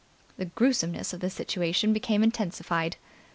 The gruesomeness of the situation became intensified.